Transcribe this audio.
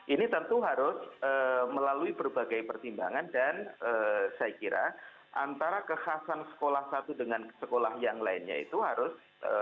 ini tentu harus melalui berbagai pertimbangan dan saya kira antara kekhasan sekolah satu dengan sekolah yang lainnya itu harus